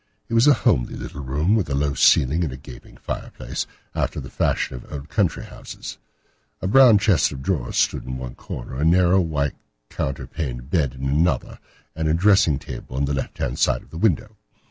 It was a homely little room, with a low ceiling and a gaping fireplace, after the fashion of old country houses. A brown chest of drawers stood in one corner, a narrow white counterpaned bed in another, and a dressing table on the left hand side of the window.